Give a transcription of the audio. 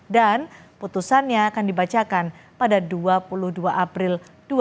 dan putusannya akan dibacakan pada dua puluh dua april dua ribu dua puluh empat